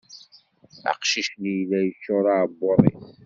Aqcic-nni yella yeččur uεebbuḍ-is.